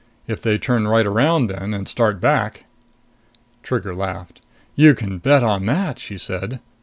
If they turn right around then, and start back " Trigger laughed. "You can bet on that!" she said.